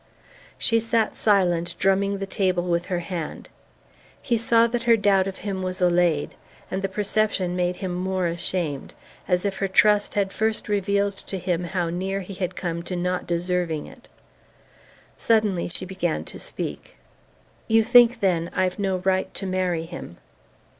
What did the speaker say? She sat silent, drumming the table with her hand. He saw that her doubt of him was allayed, and the perception made him more ashamed, as if her trust had first revealed to him how near he had come to not deserving it. Suddenly she began to speak. "You think, then, I've no right to marry him?"